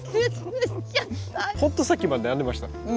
ほんとさっきまで悩んでました。